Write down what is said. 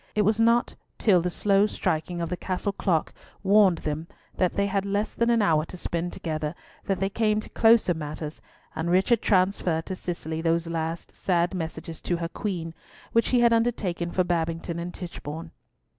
It was not till the slow striking of the Castle clock warned them that they had less than an hour to spend together that they came to closer matters, and Richard transferred to Cicely those last sad messages to her Queen, which he had undertaken for Babington and Tichborne.